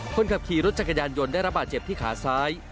คนขับขี่รถจักรยานยนต์ได้ระบาดเจ็บที่ขาซ้าย